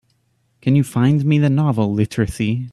Can you find me the novel, Literacy?